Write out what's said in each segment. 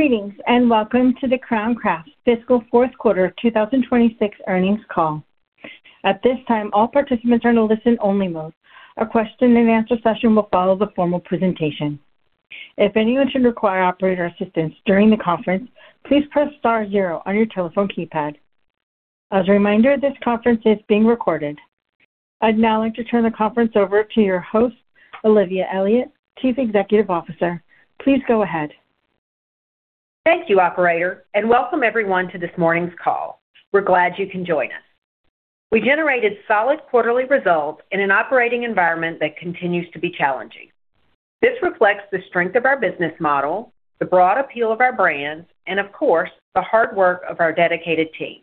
Greetings, and welcome to the Crown Crafts fiscal fourth quarter 2026 earnings call. At this time, all participants are in a listen-only mode. A question-and-answer session will follow the formal presentation. If anyone should require operator assistance during the conference, please press star zero on your telephone keypad. As a reminder, this conference is being recorded. I'd now like to turn the conference over to your host, Olivia Elliott, Chief Executive Officer. Please go ahead. Thank you, operator, and welcome everyone to this morning's call. We're glad you can join us. We generated solid quarterly results in an operating environment that continues to be challenging. This reflects the strength of our business model, the broad appeal of our brands, and of course, the hard work of our dedicated team.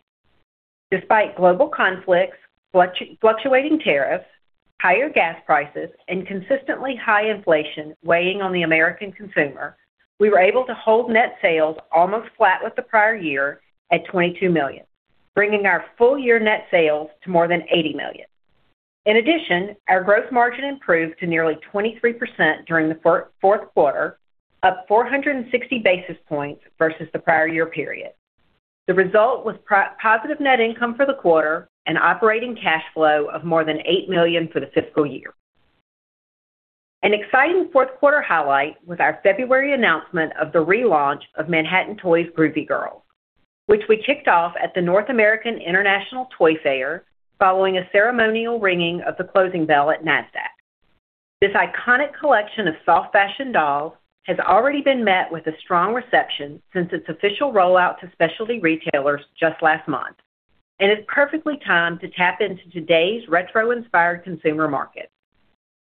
Despite global conflicts, fluctuating tariffs, higher gas prices, and consistently high inflation weighing on the American consumer, we were able to hold net sales almost flat with the prior year at $22 million, bringing our full-year net sales to more than $80 million. In addition, our gross margin improved to nearly 23% during the fourth quarter, up 460 basis points versus the prior year period. The result was positive net income for the quarter and operating cash flow of more than $8 million for the fiscal year. An exciting fourth quarter highlight was our February announcement of the relaunch of Manhattan Toy's Groovy Girls, which we kicked off at the North American International Toy Fair following a ceremonial ringing of the closing bell at Nasdaq. This iconic collection of soft fashion dolls has already been met with a strong reception since its official rollout to specialty retailers just last month and is perfectly timed to tap into today's retro-inspired consumer market.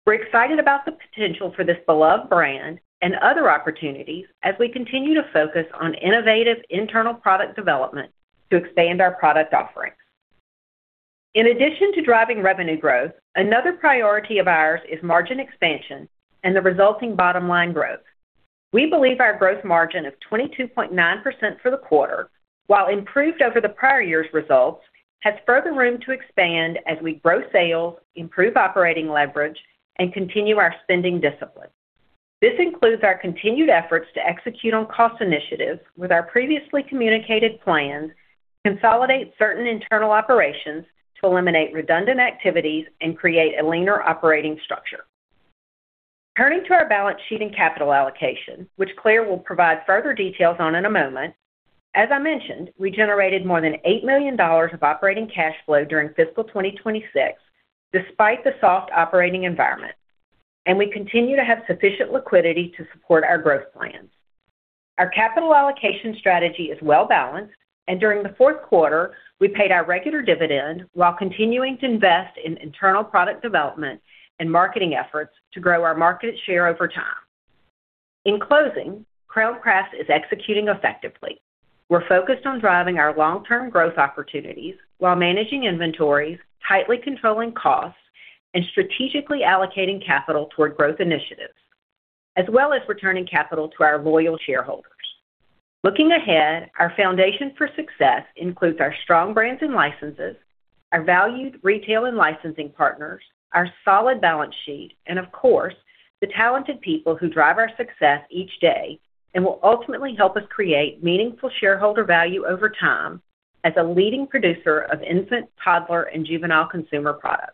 We're excited about the potential for this beloved brand and other opportunities as we continue to focus on innovative internal product development to expand our product offerings. In addition to driving revenue growth, another priority of ours is margin expansion and the resulting bottom-line growth. We believe our gross margin of 22.9% for the quarter, while improved over the prior year's results, has further room to expand as we grow sales, improve operating leverage, and continue our spending discipline. This includes our continued efforts to execute on cost initiatives with our previously communicated plans to consolidate certain internal operations to eliminate redundant activities and create a leaner operating structure. Turning to our balance sheet and capital allocation, which Claire will provide further details on in a moment. As I mentioned, we generated more than $8 million of operating cash flow during fiscal 2026, despite the soft operating environment, and we continue to have sufficient liquidity to support our growth plans. Our capital allocation strategy is well-balanced. During the fourth quarter, we paid our regular dividend while continuing to invest in internal product development and marketing efforts to grow our market share over time. In closing, Crown Crafts is executing effectively. We're focused on driving our long-term growth opportunities while managing inventories, tightly controlling costs, and strategically allocating capital toward growth initiatives, as well as returning capital to our loyal shareholders. Looking ahead, our foundation for success includes our strong brands and licenses, our valued retail and licensing partners, our solid balance sheet, and of course, the talented people who drive our success each day and will ultimately help us create meaningful shareholder value over time as a leading producer of infant, toddler, and juvenile consumer products.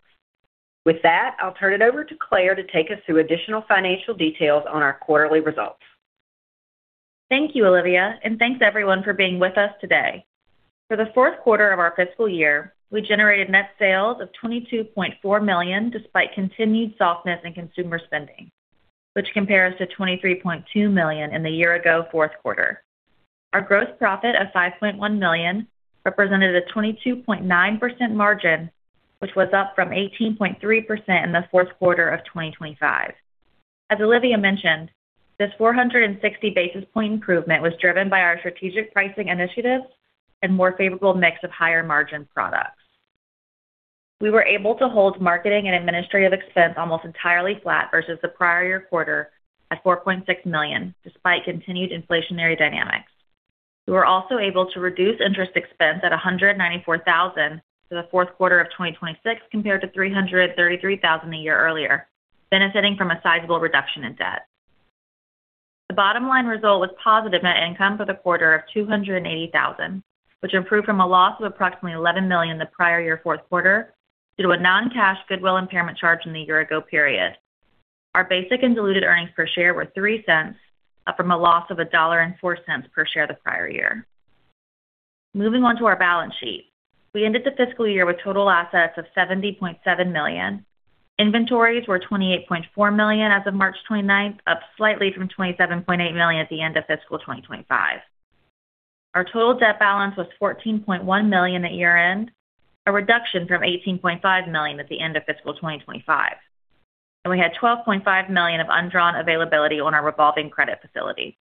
With that, I'll turn it over to Claire to take us through additional financial details on our quarterly results. Thank you, Olivia, and thanks, everyone, for being with us today. For the fourth quarter of our fiscal year, we generated net sales of $22.4 million, despite continued softness in consumer spending, which compares to $23.2 million in the year-ago fourth quarter. Our gross profit of $5.1 million represented a 22.9% margin, which was up from 18.3% in the fourt quarter of 2025. As Olivia mentioned, this 460 basis point improvement was driven by our strategic pricing initiatives and more favorable mix of higher-margin products. We were able to hold marketing and administrative expense almost entirely flat versus the prior year quarter at $4.6 million, despite continued inflationary dynamics. We were also able to reduce interest expense at $194,000 for the fourth quarter of 2026 compared to $333,000 a year earlier, benefiting from a sizable reduction in debt. The bottom line result was positive net income for the quarter of $280,000, which improved from a loss of approximately $11 million the prior year fourth quarter due to a non-cash goodwill impairment charge in the year-ago period. Our basic and diluted earnings per share were $0.03, up from a loss of $1.04 per share the prior year. Moving on to our balance sheet. We ended the fiscal year with total assets of $70.7 million. Inventories were $28.4 million as of March 29th, up slightly from $27.8 million at the end of fiscal 2025. Our total debt balance was $14.1 million at year-end, a reduction from $18.5 million at the end of fiscal 2025. We had $12.5 million of undrawn availability on our revolving credit facility.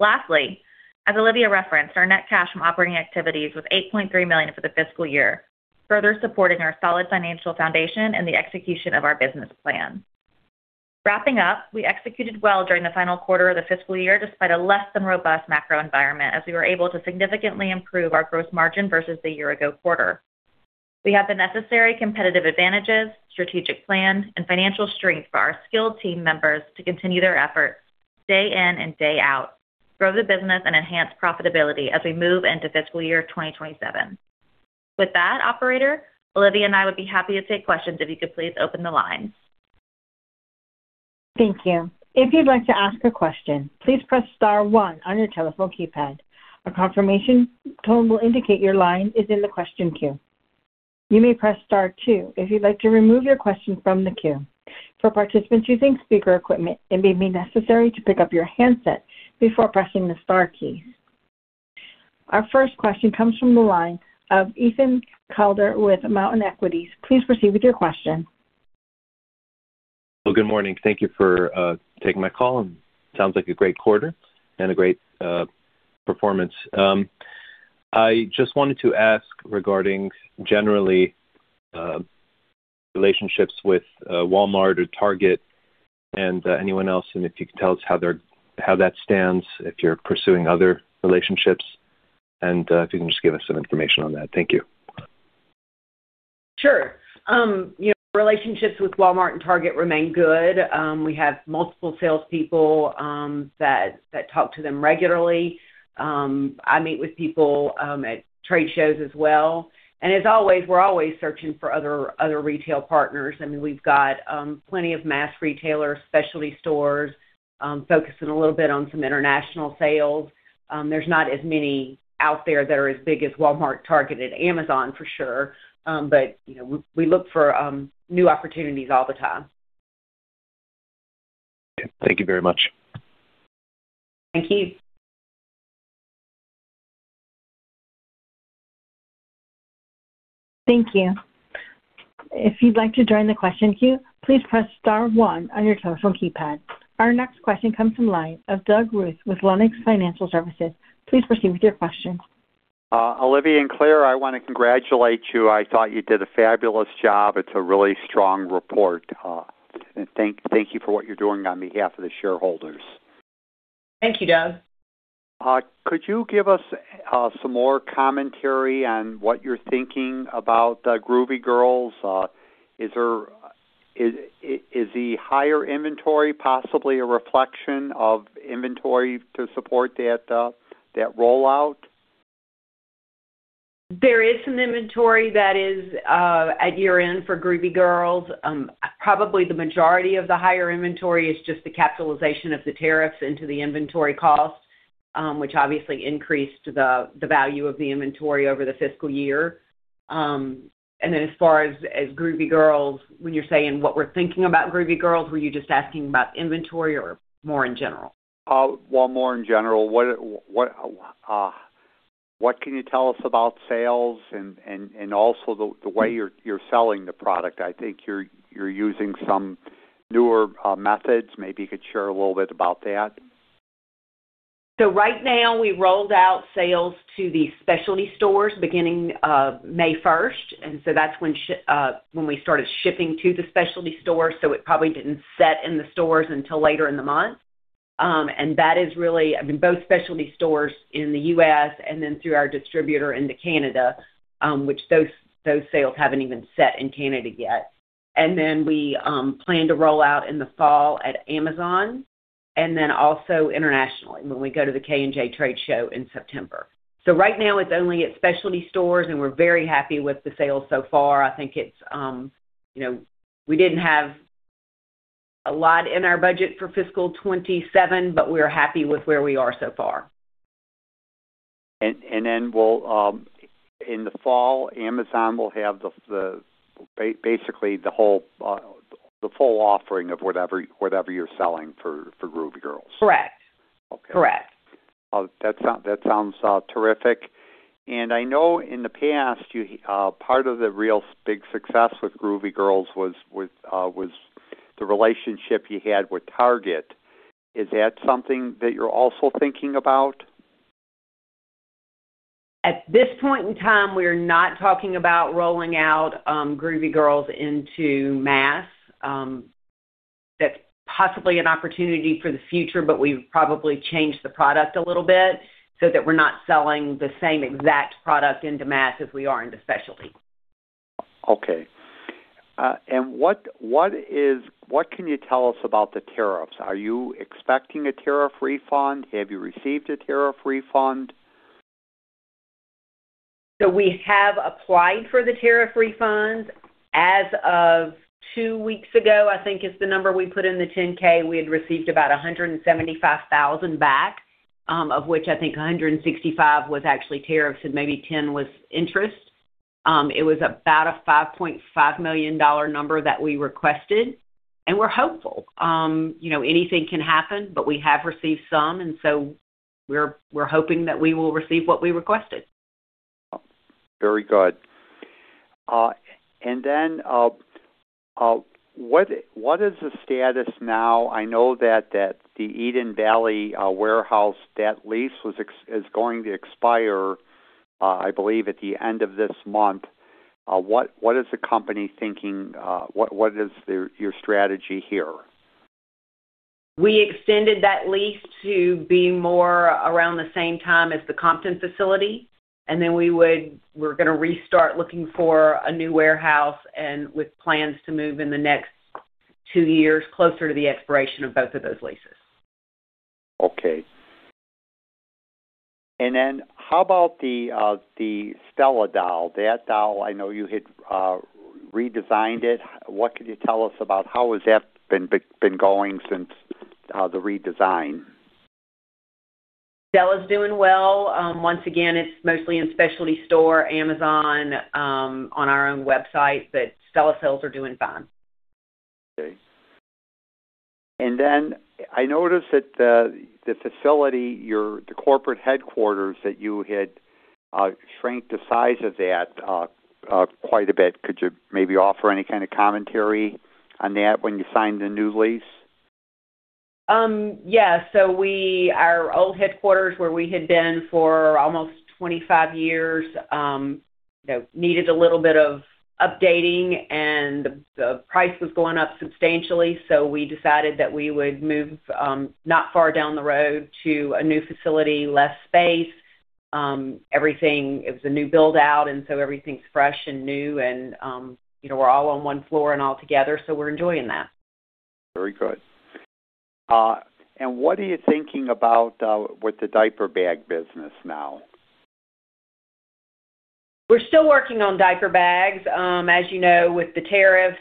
Lastly, as Olivia referenced, our net cash from operating activities was $8.3 million for the fiscal year, further supporting our solid financial foundation and the execution of our business plan. Wrapping up, we executed well during the final quarter of the fiscal year despite a less than robust macro environment as we were able to significantly improve our gross margin versus the year-ago quarter. We have the necessary competitive advantages, strategic plan, and financial strength for our skilled team members to continue their efforts day in and day out, grow the business, and enhance profitability as we move into fiscal year 2027. With that, Operator, Olivia and I would be happy to take questions if you could please open the line. Thank you. If you'd like to ask a question, please press star one on your telephone keypad. A confirmation tone will indicate your line is in the question queue. You may press star two if you'd like to remove your question from the queue. For participants using speaker equipment, it may be necessary to pick up your handset before pressing the star key. Our first question comes from the line of Ethan Khaldar with Mountain Equities. Please proceed with your question. Well, good morning. Thank you for taking my call. Sounds like a great quarter and a great performance. I just wanted to ask regarding generally, relationships with Walmart and Target and anyone else. If you could tell us how that stands, if you're pursuing other relationships, and if you can just give us some information on that. Thank you. Sure. Relationships with Walmart and Target remain good. We have multiple salespeople that talk to them regularly. I meet with people at trade shows as well. As always, we're always searching for other retail partners. We've got plenty of mass retailers, specialty stores, focusing a little bit on some international sales. There's not as many out there that are as big as Walmart, Target, and Amazon, for sure. We look for new opportunities all the time. Okay, thank you very much. Thank you. Thank you. If you'd like to join the question queue, please press star one on your telephone keypad. Our next question comes from line of Doug Ruth with Lenox Financial Services. Please proceed with your question. Olivia and Claire, I want to congratulate you. I thought you did a fabulous job. It's a really strong report. Thank you for what you're doing on behalf of the shareholders. Thank you, Doug. Could you give us some more commentary on what you're thinking about Groovy Girls? Is the higher inventory possibly a reflection of inventory to support that rollout? There is some inventory that is at year-end for Groovy Girls. Probably the majority of the higher inventory is just the capitalization of the tariffs into the inventory cost, which obviously increased the value of the inventory over the fiscal year. As far as Groovy Girls, when you're saying what we're thinking about Groovy Girls, were you just asking about inventory or more in general? Well, more in general. What can you tell us about sales and also the way you're selling the product? I think you're using some newer methods. Maybe you could share a little bit about that. Right now, we rolled out sales to the specialty stores beginning May 1st, that's when we started shipping to the specialty stores, it probably didn't set in the stores until later in the month. That is really, both specialty stores in the U.S. and then through our distributor into Canada, which those sales haven't even set in Canada yet. Then we plan to roll out in the fall at Amazon, then also internationally, when we go to the K&J trade show in September. Right now it's only at specialty stores, and we're very happy with the sales so far. I think we didn't have a lot in our budget for FY 2027, but we're happy with where we are so far. Then, in the fall, Amazon will have basically the full offering of whatever you're selling for Groovy Girls? Correct. Okay. Correct. That sounds terrific. I know in the past, part of the real big success with Groovy Girls was the relationship you had with Target. Is that something that you're also thinking about? At this point in time, we are not talking about rolling out Groovy Girls into mass. That's possibly an opportunity for the future, we'd probably change the product a little bit so that we're not selling the same exact product into mass as we are into specialty. Okay. What can you tell us about the tariffs? Are you expecting a tariff refund? Have you received a tariff refund? We have applied for the tariff refunds. As of two weeks ago, I think is the number we put in the 10-K, we had received about $175,000 back, of which I think $165,000 was actually tariffs and maybe $10,000 was interest. It was about a $5.5 million number that we requested. We're hopeful. Anything can happen. We have received some. We're hoping that we will receive what we requested. Very good. What is the status now? I know that the Eden Valley warehouse, that lease is going to expire, I believe, at the end of this month. What is the company thinking? What is your strategy here? We extended that lease to be more around the same time as the Compton facility. We're going to restart looking for a new warehouse with plans to move in the next two years, closer to the expiration of both of those leases. Okay. How about the Stella doll? That doll, I know you had redesigned it. What could you tell us about how has that been going since the redesign? Stella's doing well. Once again, it's mostly in specialty store, Amazon, on our own website, but Stella sales are doing fine. Okay. I noticed that the facility, the corporate headquarters, that you had shrank the size of that quite a bit. Could you maybe offer any kind of commentary on that when you signed the new lease? Yeah. Our old headquarters where we had been for almost 25 years, needed a little bit of updating, and the price was going up substantially. We decided that we would move, not far down the road, to a new facility, less space. It was a new build-out and so everything's fresh and new and we're all on one floor and all together, so we're enjoying that. Very good. What are you thinking about with the diaper bag business now? We're still working on diaper bags. As you know, with the tariffs,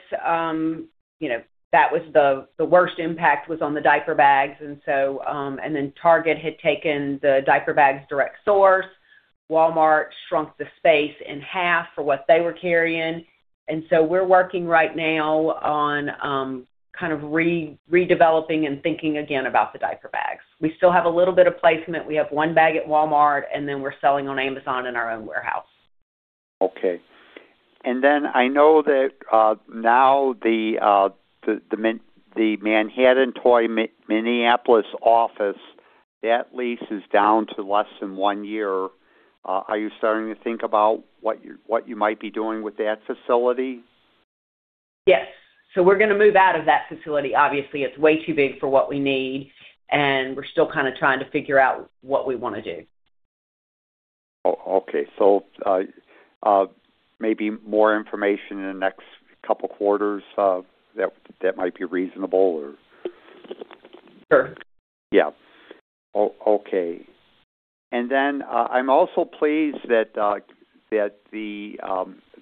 the worst impact was on the diaper bags. Target had taken the diaper bags direct source. Walmart shrunk the space in half for what they were carrying. We're working right now on kind of redeveloping and thinking again about the diaper bags. We still have a little bit of placement. We have one bag at Walmart, then we're selling on Amazon in our own warehouse. Okay. I know that now the Manhattan Toy Minneapolis office, that lease is down to less than one year. Are you starting to think about what you might be doing with that facility? Yes. We're going to move out of that facility. Obviously, it's way too big for what we need, and we're still kind of trying to figure out what we want to do. Oh, okay. Maybe more information in the next couple of quarters, that might be reasonable. Sure. Yeah. Okay. I'm also pleased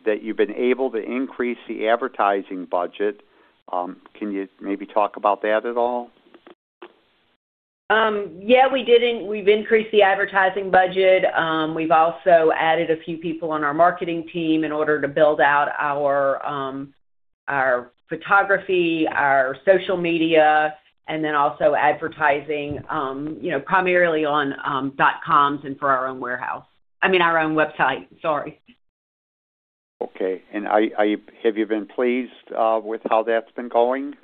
that you've been able to increase the advertising budget. Can you maybe talk about that at all? Yeah, we've increased the advertising budget. We've also added a few people on our marketing team in order to build out our photography, our social media, and also advertising, primarily on dot-coms and for our own website. Okay. Have you been pleased with how that's been going?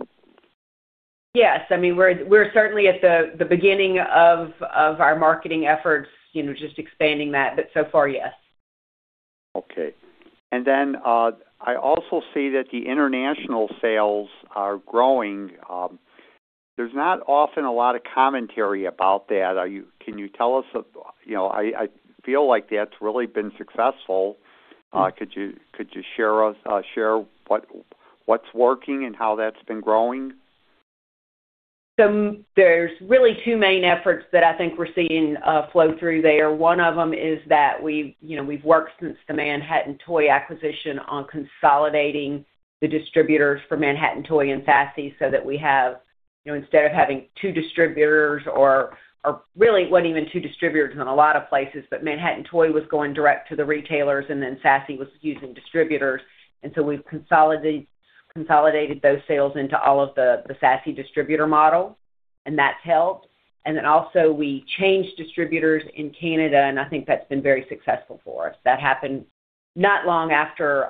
Yes. We're certainly at the beginning of our marketing efforts, just expanding that. So far, yes. Okay. I also see that the international sales are growing. There's not often a lot of commentary about that. I feel like that's really been successful. Could you share what's working and how that's been growing? There's really two main efforts that I think we're seeing flow through there. One of them is that we've worked since the Manhattan Toy acquisition on consolidating the distributors for Manhattan Toy and Sassy so that we have, instead of having two distributors, or really it wasn't even two distributors in a lot of places, but Manhattan Toy was going direct to the retailers, Sassy was using distributors. We've consolidated those sales into all of the Sassy distributor model, and that's helped. Also we changed distributors in Canada, and I think that's been very successful for us. That happened not long after,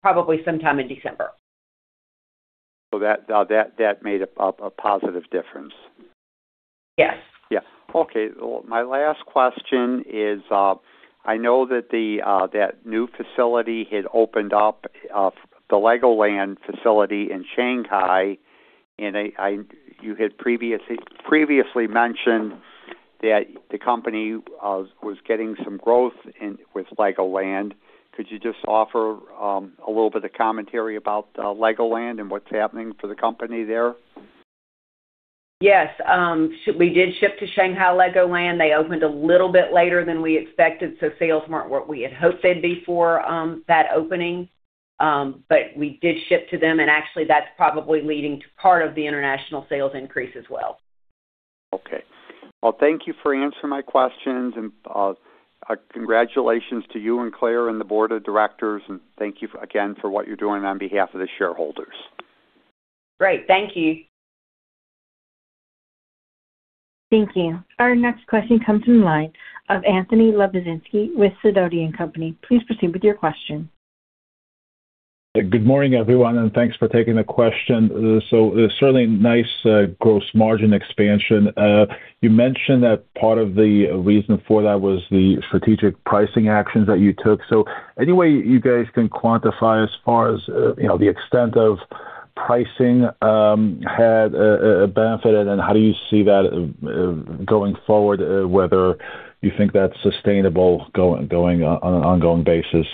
probably sometime in December. That made a positive difference. Yes. Yeah. Okay, my last question is, I know that that new facility had opened up, the LEGOLAND facility in Shanghai, and you had previously mentioned that the company was getting some growth with LEGOLAND. Could you just offer a little bit of commentary about LEGOLAND and what's happening for the company there? Yes. We did ship to Shanghai LEGOLAND. They opened a little bit later than we expected, so sales weren't what we had hoped they'd be for that opening. We did ship to them, and actually, that's probably leading to part of the international sales increase as well. Okay. Well, thank you for answering my questions, and congratulations to you and Claire and the board of directors, and thank you again for what you're doing on behalf of the shareholders. Great. Thank you. Thank you. Our next question comes from the line of Anthony Lebiedzinski with Sidoti & Company. Please proceed with your question. Good morning, everyone, and thanks for taking the question. Certainly nice gross margin expansion. You mentioned that part of the reason for that was the strategic pricing actions that you took. Any way you guys can quantify as far as the extent of pricing had a benefit and how do you see that going forward, whether you think that's sustainable on an ongoing basis?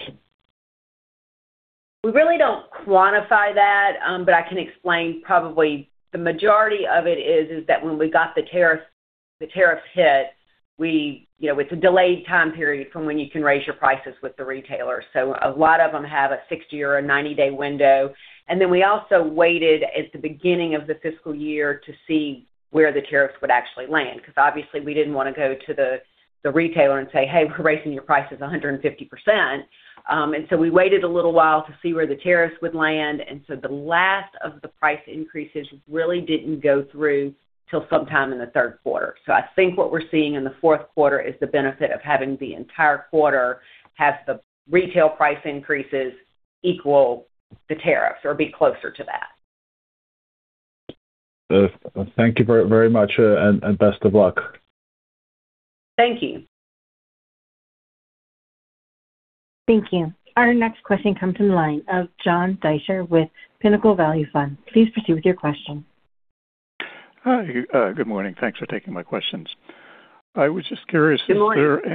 We really don't quantify that. I can explain probably the majority of it is that when we got the tariff hit, with the delayed time period from when you can raise your prices with the retailer. A lot of them have a 60 or a 90-day window. Then we also waited at the beginning of the fiscal year to see where the tariffs would actually land, because obviously we didn't want to go to the retailer and say, "Hey, we're raising your prices 150%." We waited a little while to see where the tariffs would land. The last of the price increases really didn't go through till sometime in the third quarter. I think what we're seeing in the fourth quarter is the benefit of having the entire quarter have the retail price increases equal the tariffs or be closer to that. Thank you very much, and best of luck. Thank you. Thank you. Our next question comes from the line of John Deysher with Pinnacle Value Fund. Please proceed with your question. Hi. Good morning. Thanks for taking my questions. I was just curious. Good morning Is there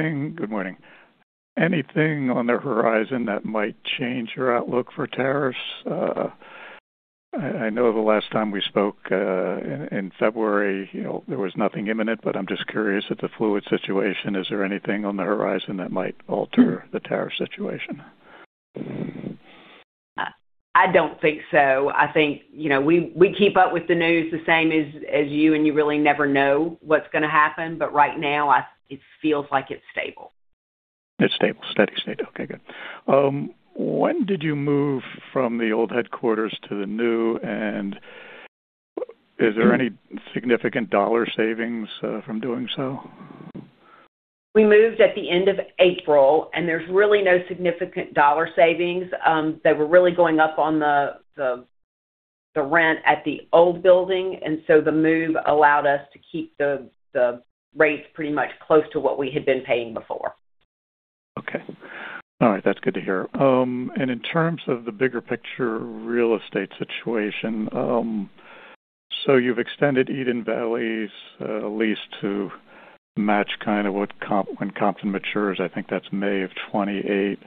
anything, good morning, anything on the horizon that might change your outlook for tariffs? I know the last time we spoke, in February, there was nothing imminent, I'm just curious with the fluid situation, is there anything on the horizon that might alter the tariff situation? I don't think so. I think we keep up with the news the same as you, You really never know what's going to happen. Right now, it feels like it's stable. It's stable. Steady state. Okay, good. When did you move from the old headquarters to the new, Is there any significant dollar savings from doing so? We moved at the end of April, there's really no significant dollar savings. They were really going up on the rent at the old building, the move allowed us to keep the rates pretty much close to what we had been paying before. Okay. All right. That's good to hear. In terms of the bigger picture real estate situation, you've extended Eden Valley's lease to match kind of when Compton matures, I think that's May of 2028. Correct.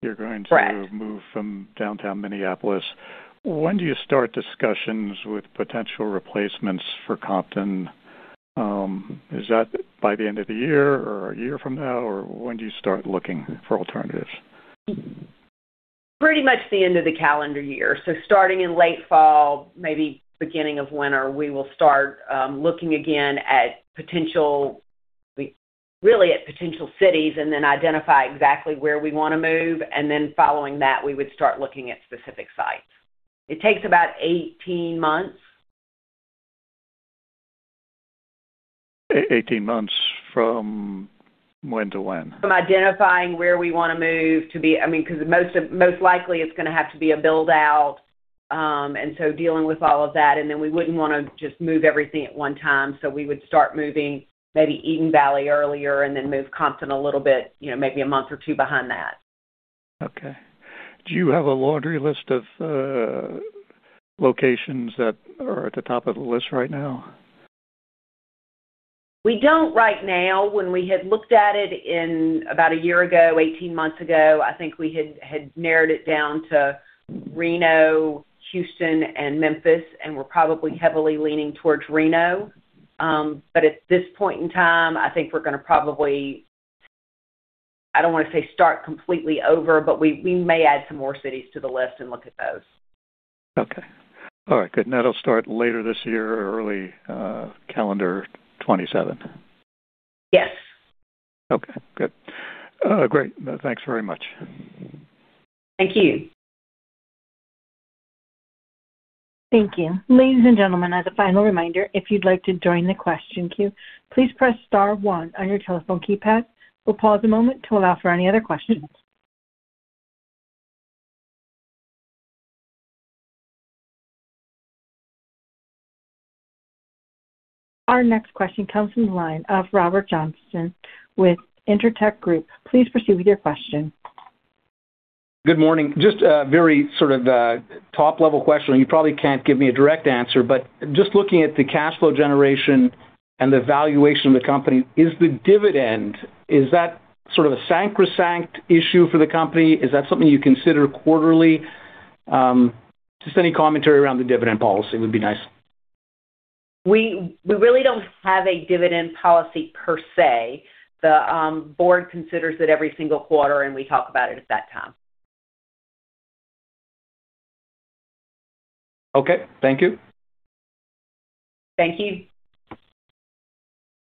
You're going to move from downtown Minneapolis. When do you start discussions with potential replacements for Compton? Is that by the end of the year or a year from now, or when do you start looking for alternatives? Pretty much the end of the calendar year. Starting in late fall, maybe beginning of winter, we will start looking again really at potential cities identify exactly where we want to move. Following that, we would start looking at specific sites. It takes about 18 months. 18 months from when to when? From identifying where we want to move because most likely it's going to have to be a build-out, and so dealing with all of that. We wouldn't want to just move everything at one time, so we would start moving maybe Eden Valley earlier and then move Compton a little bit, maybe a month or two behind that. Okay. Do you have a laundry list of locations that are at the top of the list right now? We don't right now. When we had looked at it in about a year ago, 18 months ago, I think we had narrowed it down to Reno, Houston, and Memphis, and we're probably heavily leaning towards Reno. At this point in time, I think we're going to probably, I don't want to say start completely over, but we may add some more cities to the list and look at those. Okay. All right, good. That'll start later this year or early calendar 2027. Yes. Okay, good. Great. Thanks very much. Thank you. Thank you. Ladies and gentlemen, as a final reminder, if you'd like to join the question queue, please press star one on your telephone keypad. We'll pause a moment to allow for any other questions. Our next question comes from the line of Robert Johnson with Intertek Group. Please proceed with your question. Good morning. Just a very sort of top-level question, and you probably can't give me a direct answer, but just looking at the cash flow generation and the valuation of the company, is the dividend, is that sort of a sacrosanct issue for the company? Is that something you consider quarterly? Just any commentary around the dividend policy would be nice. We really don't have a dividend policy per se. The board considers it every single quarter, and we talk about it at that time. Okay. Thank you. Thank you.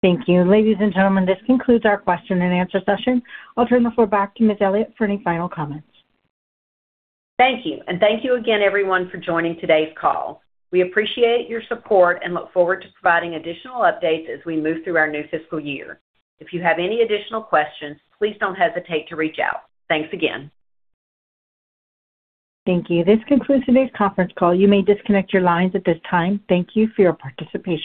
Thank you. Ladies and gentlemen, this concludes our question and answer session. I'll turn the floor back to Olivia Elliott for any final comments. Thank you. Thank you again, everyone, for joining today's call. We appreciate your support and look forward to providing additional updates as we move through our new fiscal year. If you have any additional questions, please don't hesitate to reach out. Thanks again. Thank you. This concludes today's conference call. You may disconnect your lines at this time. Thank you for your participation.